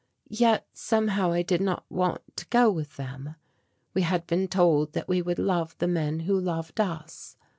Yet somehow I did not want to go with them. We had been told that we would love the men who loved us.